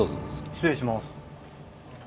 失礼します。